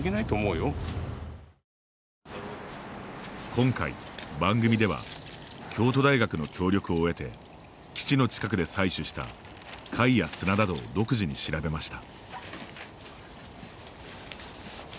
今回、番組では京都大学の協力を得て基地の近くで採取した貝や砂などを独自に調べました。